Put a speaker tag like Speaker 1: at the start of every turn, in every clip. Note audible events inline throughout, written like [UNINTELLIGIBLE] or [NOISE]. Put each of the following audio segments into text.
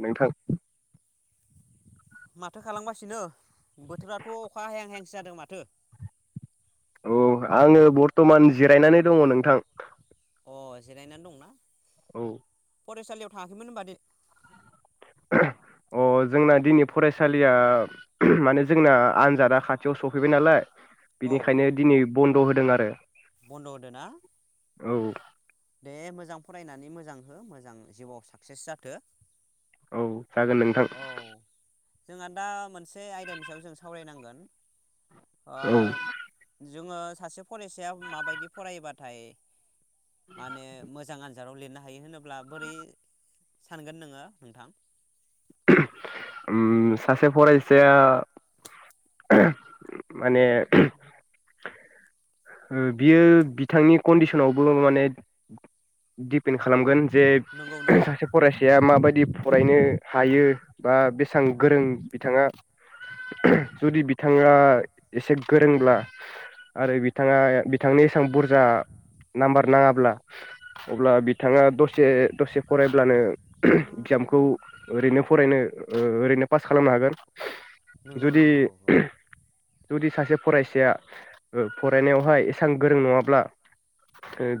Speaker 1: नोंथां।
Speaker 2: माथो खालामगासिनो बोथोराथ अखा हाहां हाहांसो जादों माथो।
Speaker 1: औ आंङो बरथमान जिरायनानै दङ नोंथां।
Speaker 2: अ जिरायनानै दंना।
Speaker 1: औ
Speaker 2: फरायसालियाव थाङाखैमोन होनबा दे
Speaker 1: अ जोंना दिनै फरायसालिया माने जोंना आनजादा खाथियाव सफैबाय नालाय।
Speaker 2: औ औ
Speaker 1: बिनिखायनो दिनै बन्द। द' होदों आरो
Speaker 2: बन्द' होदों ना
Speaker 1: औ
Speaker 2: दे मोजां फरायनानै मोजां हो मोजां जिउआव साक्सेस जाथो
Speaker 1: औ जागोन नोंथां
Speaker 2: औ जोंहा दा मोनसे आयदानि सायाव जों सावरायनांगोन।
Speaker 1: औ
Speaker 2: [INAUDIBLE] जोङो सासे फरायसाया माबायदि फरबाथाय माने मोजां बाजाराव लिरनो हायो होनोब्ला बोरै सानगोन नोङो नोंथां।
Speaker 1: सासे फरायसाया माने बियो बिथांनि कन्डिसनावबो माने दिडपेन्ड खालामगोन जे
Speaker 2: नंगौ नंगौ
Speaker 1: सासे फरायसाया मा बायदि फरायनो हायो बा बेसेबां गोरों बिथाङा जुदि बिथाङा एसे गोरोंब्ला आरो। बिथाङा बिथांनि एसेबां बुरजा नाम्बार नाङाब्ला अब्ला बिथाङा दसे दसे फरायब्लानो एगजामखौ ओरैनो फरायनो। ओरैनो पास खालामनो हागोन
Speaker 2: नंगौ
Speaker 1: जुदि
Speaker 2: नंगौ
Speaker 1: जुदि सासे फरायसाया फरायनायावहाय एसेबां गोरों नङाब्ला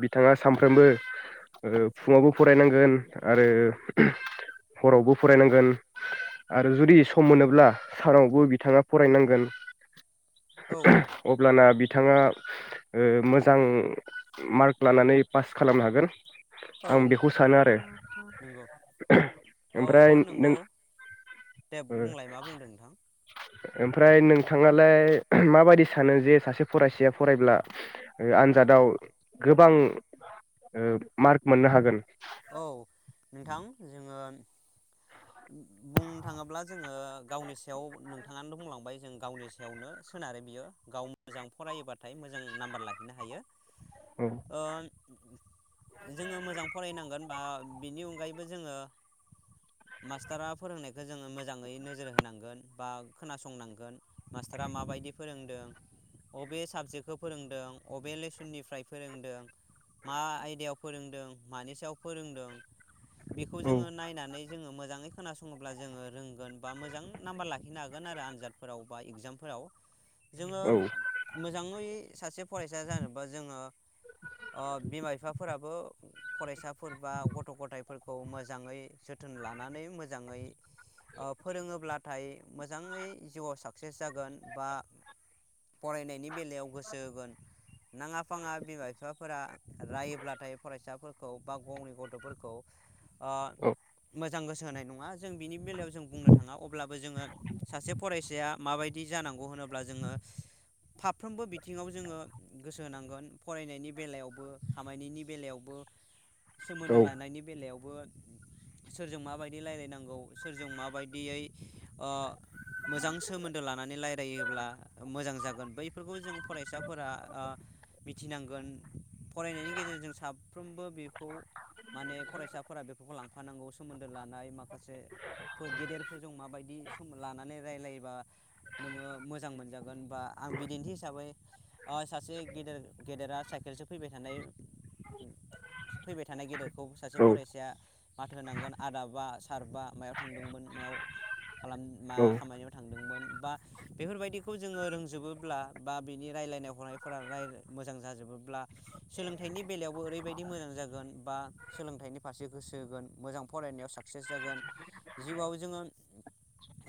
Speaker 1: बिथाङा सानफ्रोमबो फुङावबो फरायनांगोन आरो हरावबो फरायनांगोन आरो जुदि सम मोनोब्ला सारावबो बिथाङा फरायनांगोन।
Speaker 2: औ
Speaker 1: अब्लाना बिथाङा मोजां मार्क लानानै पास खालामनो हागोन।
Speaker 2: औ
Speaker 1: आं बेखौ सानो आरो
Speaker 2: नंगौ
Speaker 1: ओमफ्राय
Speaker 2: औ
Speaker 1: नों
Speaker 2: नंगौ दे बुंलाय मा बुंदों नोंथां?
Speaker 1: ओमफ्राय नोंथाङालाय माबायदि सानो जे सासे फरायसाया फरायब्ला आनजादाव गोबां मार्क मोननो हागोन
Speaker 2: औ नोंथां जोङो बुंनो थाङोब्ला जोङो गावनि सायाव नोंथाङानो बुंलांबाय जों गावनि सायावनो सोनारो बियो गाव मोजां फरायोबाथाय मोजां नाम्बार लाहैनो हायो।
Speaker 1: औ
Speaker 2: ओ। जोङो मोजां फरायनांगौ। बा बिनि अनगायैबो जोङोारा फोरोंनायखौ जोङो मोजाङै नोजोर होनांगोन बा खोनासंनांगोन मास्टारा माबायदि फोरोंदों बबे साबजेक्टखौ फोरोंदों अबे लेसननिफ्राय फोरोंदों मा आयदायाव फोरोंदों मानि सायाव फोरोंदों। बेखौ
Speaker 1: औ
Speaker 2: जोङो नायनानै जोङो मोजाङै खोनासङोब्ला जोङो रोंगोन बा मोज नाम्बार लाखिनो हागोन थागोन आरो आनजादफोराव बा इगजामफोराव जोङो
Speaker 1: औ
Speaker 2: मोजाङै सासे फरायसा जानोबा जोङो ओ बिमा बिफा फोरा ओ फरायसा फोर बा गथ' गथायफोरखौ मोजाङै जोथोन लानानै मोजाङै ओ फोरोङोब्लाथाय मोजाङै जिउआव साक्सेस जागोन बा फरायनायनि बेलायाव गोसो होगोन नाङा फाङा बिमा बिफाफोरा रायोब्लाथाय फरायसाफोरखौ बा गावनि गथ'फोरखौ आ
Speaker 1: औ
Speaker 2: मो मोजां गोसो होनाय नङा जों बिनि बेलायाव जों बुंनो थाङा अब्लाबो जोङो सासे फरायसाया माबायदि जानांगौ होनोब्ला जोङो फाफ्रोमबो बिथिङाव जोङो गोसो होनांगोन फरायनायनि बेलायावबो खामायनायनि बेलायावबो सोमोन्दो
Speaker 1: औ
Speaker 2: लानायनि बेलायाव सोरजों माबायदि रायलायनांगौ सोरजों माबायदियै ओ मोजां सोमोन्दो लानानै रायलायोब्ला मोजां जागोन बैफोरखौ जों फरायसाफोरा आ मिथिनांगोन फरायनायनि गेजेरजों साफ्रोमबो खौ माने फरायसाफोरा बेफोरखौ लांफानांगौ सोमोन्दो लानाय माखासे गेदेरफोरजों माबायदि लानानै रायलायोबा नोङो मोजां मोनजागोन बा आं बिदिन्थि हिसाबै ओ सासे गेदेर गेदेरा साइकेलसो फैबाय थानाय फैबाय थानाय गेदेर खौ सासे फरायसाया माथो होनांगोन आदा बा सार बा मायाव थांदोंमोन मायाव खालाम मा
Speaker 1: औ
Speaker 2: खामानियाव थांदोंमोन बा बेफोरबायदिखौ जोङो रोंजोबोब्ला बा बिनि रायलायनाय हनायफोरा मोजां जाजोबोब्ला सोलोंथाइनि बेलायावबो ओरैबायदि बिदि मोजां जागोन बा सोलोंथाइनि फारसे गोसो होगोन मोजां फरायनायाव साक्सेस जागोन जिउआव जोङो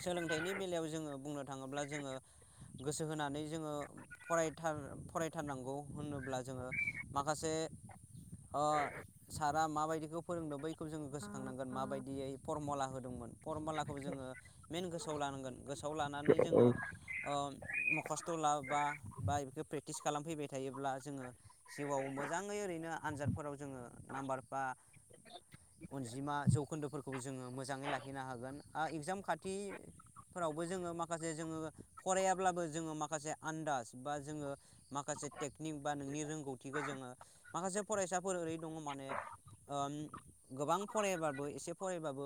Speaker 2: सोलोंथाइनि बेलायाव जोङो बुंनो थाङोब्ला जोङो गोसो होनानै जोङो फरायथार फरायथारनांगौ होनोब्ला जोङो माखासे ओ सारा माबायदिखौ फोरोंदों बैखौ जोङो गोसोखांनांगोन माबायदियै फरमला होदोंमोन फरमलाखौ जोङो मेन गोसोआव लानांगोन गोसोआव लानानै जोङो
Speaker 1: औ
Speaker 2: ओ मखास्थ' लाबा बा बेखौ प्रेक्टिस खालामफैबाय थायोब्ला जोङो जिउआव मोजाङै ओरैनो आनजादफोराव जोङो नाम्बार बा अनजिमा जौखोन्दोफोरखौबो जोङो मोजाङै लाखिनो हागोन आ इगजाम खाथिफोरावबो जोङो माखासे जोङो फरायाब्लाबो जोङो माखासे आन्दाज बा जोङो माखासे टेकनिक बा नोंनि रोंगौथिखौ जोङो माखासे फरायसाफोर ओरै दङ माने ओ गोबां फरायाबाबो एसे फरायबाबो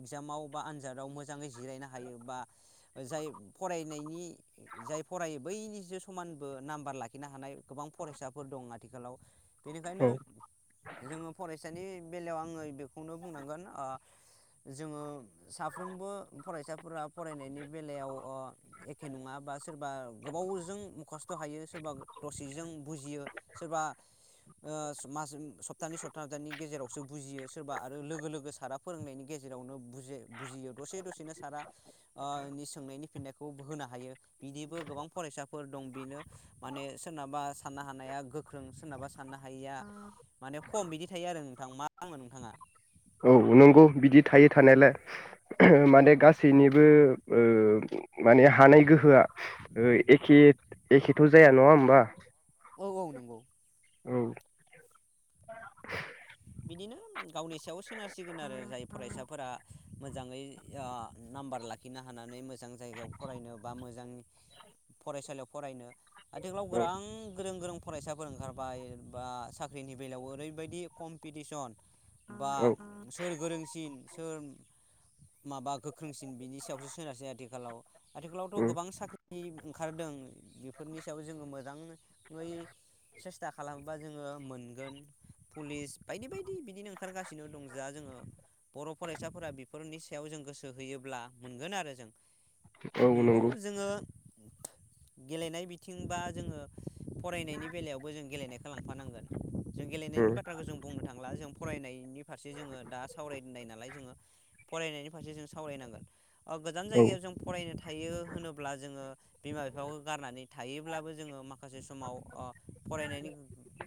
Speaker 2: इगजामाव बा आनजादाव मोजाङै जिरायनो हायो बा जाय फरायनायनि जाय फरायो बैनिसो समानबो नाम्बार लाखिनो हानाय गोबां फरायसाफोर दं आथिखालाव। बेनिखायनो
Speaker 1: औ
Speaker 2: जोङो फरायसानि बेलायाव आङो बेखौनो बुंनांगोन ओ जोङो साफ्रोमबो फरायसाफोरा फरायनायनि बेलायाव ओ एखे नङा बा सोरबा गोबावजों मुखास्थ' हायो सोरबा दसेजों बुजियो सोरबा ओ मास सप्तानै सप्ताथामनि गेजेरावसो बुजियो सोरबा आरो लोगो लोगो सारा फोरोंनायनि गेजेरावनो बुजा बुजियो दसे दसेनो सारा ओ नि सोंनायनि फिननायखौ होनो हायो बिदिबो गोबां फरायसाफोर दं बेनो माने सोरनाबा साननो हानाया गोख्रों सोरनाबा साननो हायिया माने खम बिदि थायो, आरो नोंथां [UNINTELLIGIBLE] नोंथाङा?
Speaker 1: औ नंगौ बिदि थायो थानायलाय माने गासैनिबो ओ माने हानाय गोहोआ एखे एखेथ' जाया नङा होमबा?
Speaker 2: औ औ नंगौ।
Speaker 1: औ।
Speaker 2: बिदिनो गावनि सायाव सोनारसिगोन आरो जाय फरायसाफोरा मोजाङै ओ नाम्बार लाखिनो हानानै मोजां जायगायाव फरायनो बा मोजां फरायसालियाव फरायनो आथिखालाव
Speaker 1: औ
Speaker 2: गोरां गोरों गोरों फरायसाफोर ओंखारबाय बा साख्रिनि बेलायाव ओरैबायदि कम पिटिसन बा
Speaker 1: औ
Speaker 2: सोर गोरोंसिन सोर माबा गोख्रोंसिन बिनि सायावसो सोनारसै आथिखालाव आथिखालावथ'
Speaker 1: उम
Speaker 2: गोबां साख्रि ओंखारदों बेफोरनि सायाव जोङो मोजाङै सेस्था खालामोबा जोङो मोनगोन पुलिस बायदि बायदि बिदिनो ओंखारगासिनो दं जा जोङो बर' फरायसाफोरा बेफोरनि सायाव जों गोसो होयोब्ला मोनगोन आरो जों नंगौ जोङो गेलेनाय बिथिं बा जोङो फरायनायनि बेलायावबो जों गेलेनायखौ लांफानांगोन जों गेलेनायनि
Speaker 1: उम
Speaker 2: बाथ्राखौ जों बुंनो थांला जों फरायनायनि फारसे जोङो दा सावरायनाय नालाय जोङो फरायनायनि फारसे जों सावरायनांगोन गोजान
Speaker 1: औ
Speaker 2: जायगायाव जों फरायनो थायो होनोब्ला जोङो बिमा बिफाखौ गारनानै थायोब्लाबो जोङो माखासे समाव ओ फरायनायनि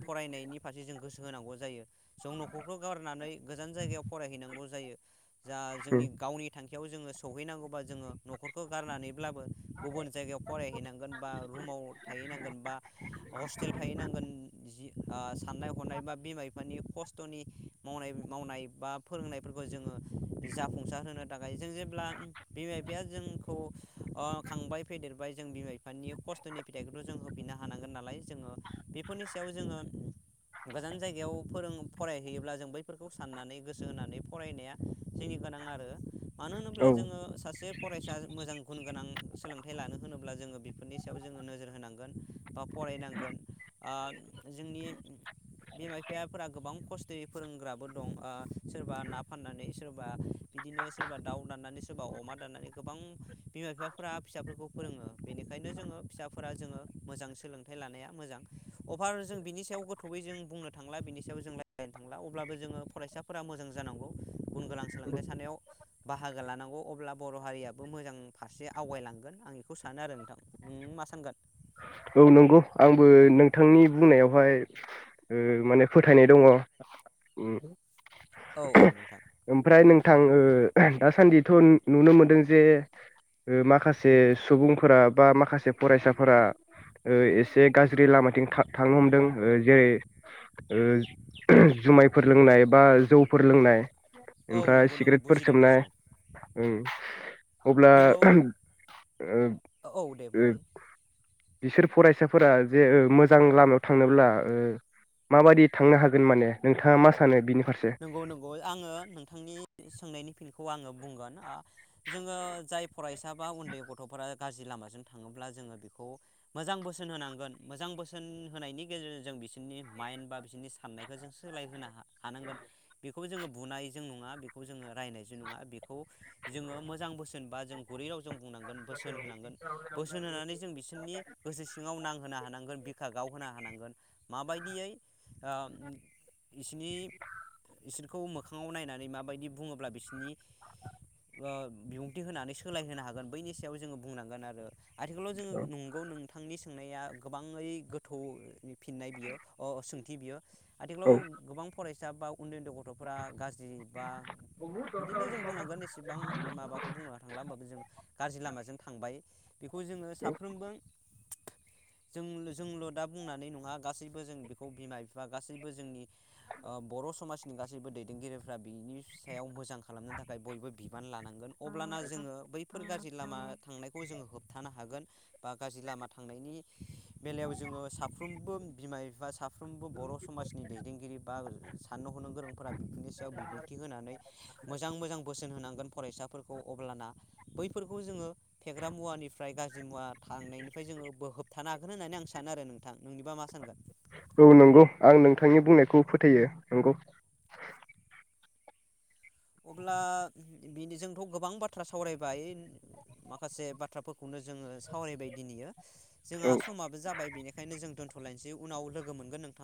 Speaker 2: फरायनायनि फारसे जों गोसो होनांगौ जायो। जों न'खरखौ गारनानै गोजान जायगायाव फरायहैनांगौ जायो जा जोंनि
Speaker 1: उम
Speaker 2: गावनि थांखियाव जोङो सहैनांगौबा जोङो न'खरखौ गारनानैब्लाबो गुबुन जायगायाव फरायहैनांगोन बा रुमाव थाहैनांगोन बा हस्टेल थाहैनांगोन जि साननाय हनाय बा बिमा बिफानि खस्थ'नि मावनाय मावनाय बा फोरोंनायफोरखौ जोङो जाफुंसार होनो थाखाय जों जेब्ला बिमा बिफाया जोंखौ ओ खांबाय फेदेरबाय जों बिमा बिफानि खस्थ'नि फिथाइखौथ' जों होफिननो हानांगोन नालाय जोङो बेफोरनि सायाव जोङो गोजान जायगायाव फोरों फरायहैयोब्ला जों बैफोरखौ साननानै गोसो होनानै फरायनाया जोंनि गोनां आरो मानो होनोब्ला
Speaker 1: औ
Speaker 2: जोङो सासे फरायसा मोजां गुन गोनां सोलोंथाइ लानो होनोब्ला जोङो बेफोरनि सायाव जोङो नोजोर होनांगोन बा फरायनांगोन ओ जोंनि बिमा बिफाफोरा गोबां खस्थ'यै फोरोंग्राबो दं ओ सोरबा ना फाननानै सोरबा बिदिनो सोरबा दाउ दाननानै सोरबा अमा दाननानै गोबां बिमा बिफा फेरा फिसाफोरखौ फोरोङो बेनिखायनो जोङो फिसाफोरा जोङो मोजां सोलोंथाइ लानाया मोजां अबार जों बिनि सायाव गोथौयै जों बुंनो थांला बिनि सायाव जों रायज्लायनो थांला अब्लाबो जोङो फरायसाफोरा मोजां जानांगौ गुन गोनां सोलोंथाइ सानायाव बाहागो लानांगौ अब्ला बर' हारियाबो मोजां फारसे आवगायलांगोन आं बेखौ सानो आरो नोंथां नों मा सानगोन?
Speaker 1: औ नंगौ आंबो नोंथांनि बुंनायावहाय ओ माने फोथायनाय दङ।
Speaker 2: औ औ नोंथां।
Speaker 1: ओमफ्राय नोंथां ओ दासान्दिथ' नुनो मोनदों जे ओ माखासे सुबुंफोरा बा माखासे फरायसाफोरा ओ एसे गाज्रि लामाथिं थां थांनो हमदों जेरै ओ जुमायफोर लोंनाय बा जौफोर लोंनाय
Speaker 2: औ नंगौ नंगौ बुजिदो बुजिदो।
Speaker 1: उम। अब्ला
Speaker 2: नंगौ
Speaker 1: ओ
Speaker 2: औ दे
Speaker 1: ओ
Speaker 2: बुंलाय
Speaker 1: बिसोर फरायसाफोरा जे मोजां लामायाव थांनोब्ला ओ माबायदि थांनो हागोन माने नोंथाङा मा सानो बिनि फारसे
Speaker 2: नंगौ नंगौवाय आङो नोंथांनि सोंनायनि फिनखौ आङो बुंगोन आ जोङो जाय फरायसा बा उन्दै गथ'फोरा गाज्रि लामाजों थाङोब्ला जोङो बेखौ मोजां बोसोन होनांगोन मोजां बोसोन होनायनि गेजेरजों जों बिसोरनि माइन्ड बा बिसोरनि साननायखौ जों सोलाय होनो हानांगोन। बेखौ जोङो बुनायजों नङा बेखौ जोङो रायनायजों नङा बेखौ जोङो मोजां बोसोन बा जों गुरै राव जों बुंनांगोन बोसोन होनांगोन बोसोन होनानै जों बिसोरनि गोसो सिङाव नांहोनो हानांगोन बिखा गावहोनो हानांगोन माबायदियै ओ बिसोरनि बेखौ मोखाङाव नायनानै माबायदि बुङोब्ला बिसोरनि ओ बिबुंथि होनानै सोलायहोनो हागोन बैनि सायाव जोङो बुंनांगोन आरो। आथिखालाव जोङो नंगौ नोंथांनि सोंनाया गोबाङै गोथौ फिननाय बियो अह सोंथि बियो
Speaker 1: औ
Speaker 2: आथिखालाव गोबां फरायसा जाबा उन्दै उन्दै गथ' गथ'फ्रा गाज्रि बा बिदिनो जों बुंनांगोन एसेबां माबाखौ बुंनो थांला होमबाबो जों गाज्रि लामाजों थांबाय बेखौ जोङो साफ्रोमबो जों जोंल' दा बुंनानै नङा गासैबो जों बेखौ बिमा बिफा गासैबो जोंनि ओ बर' समाजनि गासैबो दैदेनगिरिफ्रा बिनि सायाव मोजां खालामनो थाखाय बयबो बिबान लानांगोन अब्लाना जोङो बैफोर गाज्रि लामा थांनायखौ जोङो होबथानो हागोन बा गाज्रि लामा थांनायनि बेलायाव जोङो साफ्रोमबो बिमा बिफा साफ्रोमबो बर' समाजनि दैदेनगिरि बा साननो हनो गोरोंफोरा बेफोरनि सायाव बिबुंथि होनानै मोजां मोजां बोसोन होनांगोन फरायसाफोरखौ अब्लाना बैफोरखौ जोङो फेग्रा मुवानिफ्राय गाज्रि मुवा थांनायनिफ्राय जोङो बो होबथानो हागोन होननानै आं सानो आरो नोंथां नोंनिबा मा सानगोन?
Speaker 1: औ नंगौ आं नोंथांनि बुंनायखौ फोथायो नंगौ।
Speaker 2: अब्ला बिदिजोंथ' गोबां बाथ्रा सावरायबाय माखासे बाथ्राफोरखौनो जोङो सावरायबाय दिनैयो। जोंहा
Speaker 1: औ
Speaker 2: समाबो जाबाय बेनिखायनो जों दोनथ' लायसै उनाव लोगो मोनगोन नों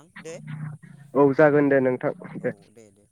Speaker 1: औ जागोन दे नोंथां दे।
Speaker 2: औ दे